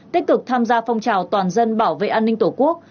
tích cực tham gia phong trào toàn dân bảo vệ an ninh tổ quốc